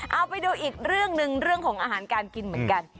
เอาไปดูอีกเรื่องหนึ่งเรื่องของอาหารการกินเหมือนกัน